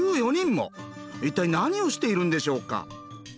一体何をしているんでしょうか？